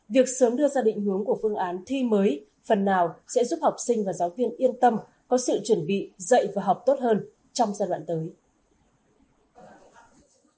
việc sớm đưa ra định hướng của phương án thi mới phần nào sẽ giúp học sinh và giáo viên yên tâm có sự chuẩn bị dạy và học tốt hơn trong giai đoạn tới